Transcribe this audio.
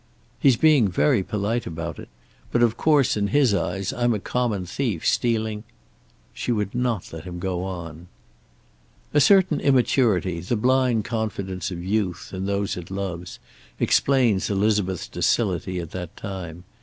"He's being very polite about it; but, of course, in his eyes I'm a common thief, stealing " She would not let him go on. A certain immaturity, the blind confidence of youth in those it loves, explains Elizabeth's docility at that time.